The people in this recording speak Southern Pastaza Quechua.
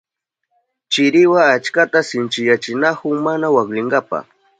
Chiriwa aychata sinchiyachinahun mana waklinanpa.